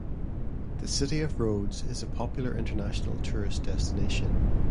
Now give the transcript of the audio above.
The city of Rhodes is a popular international tourist destination.